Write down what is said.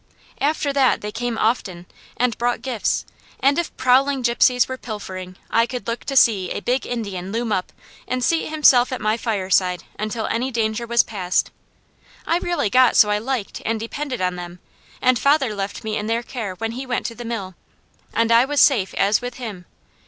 After that they came often, and brought gifts, and if prowling Gypsies were pilfering, I could look to see a big Indian loom up and seat himself at my fireside until any danger was past. I really got so I liked and depended on them, and father left me in their care when he went to mill, and I was safe as with him.